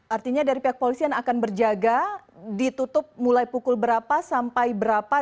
artinya dari pihak polisian akan berjaga ditutup mulai pukul berapa sampai berapa